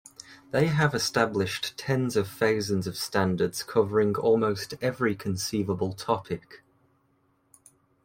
They have established tens of thousands of standards covering almost every conceivable topic.